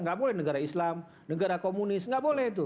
nggak boleh negara islam negara komunis nggak boleh itu